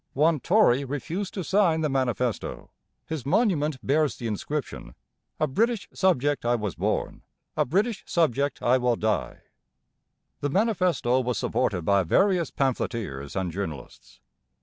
One Tory refused to sign the manifesto: his monument bears the inscription, 'A British subject I was born, a British subject I will die.' The manifesto was supported by various pamphleteers and journalists.